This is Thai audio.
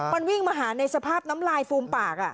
มันวิ่งมาหาในสภาพน้ำลายฟูมปาก